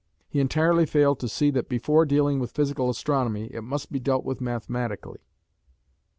He entirely failed to see that before dealing with physical astronomy, it must be dealt with mathematically.